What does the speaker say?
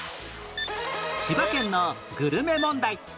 千葉県のグルメ問題